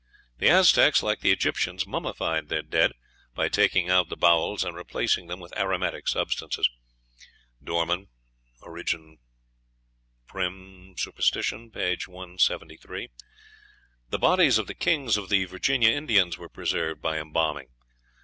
The Aztecs, like the Egyptians, mummified their dead by taking out the bowels and replacing them with aromatic substances. (Dorman, "Origin Prim. Superst.," p. 173.) The bodies of the kings of the Virginia Indians were preserved by embalming.